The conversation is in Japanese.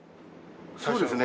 そうですね。